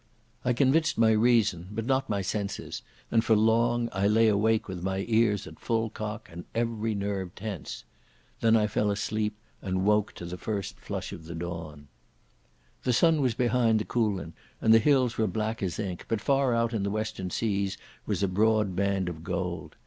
I convinced my reason, but not my senses, and for long I lay awake with my ears at full cock and every nerve tense. Then I fell asleep, and woke to the first flush of dawn. The sun was behind the Coolin and the hills were black as ink, but far out in the western seas was a broad band of gold.